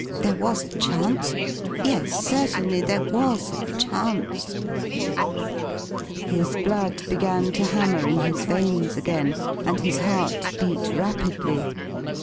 There was a chance yes, certainly there was a chance. ... His blood began to hammer in his veins again, and his heart beat rapidly.